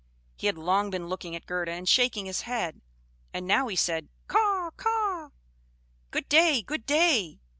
He had long been looking at Gerda and shaking his head; and now he said, "Caw! Caw!" Good day! Good day!